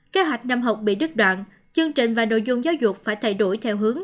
kế hoạch năm học bị đứt đoạn chương trình và nội dung giáo dục phải thay đổi theo hướng